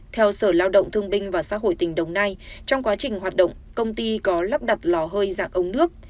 theo sở lao động thương binh và xã hội tỉnh đồng nai trong quá trình hoạt động công ty có lắp đặt lò hơi dạng ống nước